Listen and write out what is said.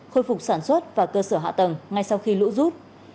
khôi phục sản xuất và cơ sở hạ tầng ngay sau khi lũ rút